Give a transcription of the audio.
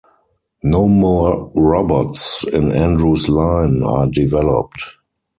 No more robots in Andrew's line are developed.